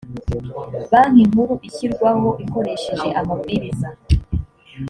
banki nkuru ishyirwaho ikoresheje amabwiriza .